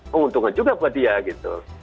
menguntungkan juga buat dia gitu